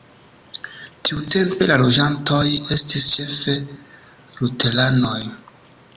Tiutempe la loĝantoj estis ĉefe luteranoj.